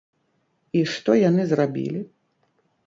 І што яны зрабілі?